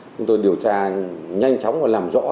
chúng tôi điều tra nhanh chóng và làm rõ